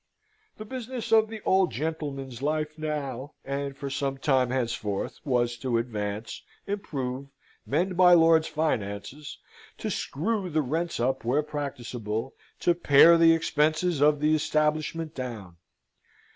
The business of the old gentleman's life now, and for some time henceforth, was to advance, improve, mend my lord's finances; to screw the rents up where practicable, to pare the expenses of the establishment down.